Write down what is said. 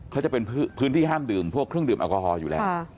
เขาจะเป็นพื้นที่ห้ามดื่มพวกเครื่องดื่มแอลกอฮอล์อยู่แล้ว